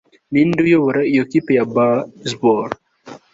Ninde uyobora iyo kipe ya baseball